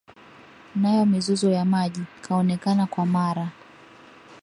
Nayo mizozo ya maji, kaonekana kwa mara,